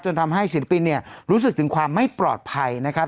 ทำให้ศิลปินเนี่ยรู้สึกถึงความไม่ปลอดภัยนะครับ